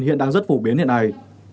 hiện đang rất phổ biến hiện nay